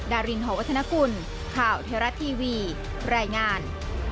ดารินหอวัฒนกุลข่าวเทราะทีวีรายงาน